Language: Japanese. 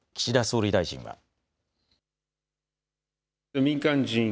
岸田総理大臣は。